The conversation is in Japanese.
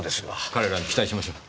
彼らに期待しましょう。